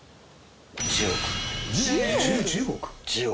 １０億！？